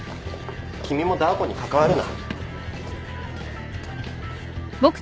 君もダー子に関わるな。